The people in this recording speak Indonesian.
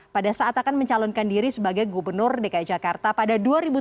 pada saat akan mencalonkan diri sebagai gubernur dki jakarta pada dua ribu tujuh belas